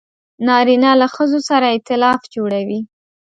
نارینه له ښځو سره ایتلاف جوړوي.